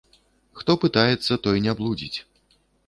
Хто пытаецца, той не блудзіць.